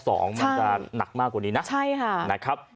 มันจะหนักมากกว่านี้นะ